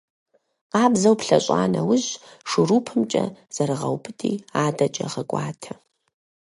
Къабзэу плъэщӀа нэужь, шурупымкӀэ зэрыгъэубыди, адэкӀэ гъэкӏуатэ.